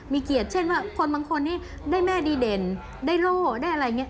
มีเกียรติเช่นว่าคนบางคนนี้ได้แม่ดีเด่นได้โล่ได้อะไรอย่างนี้